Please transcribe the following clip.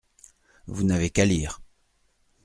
Vous n’avez qu’à lire.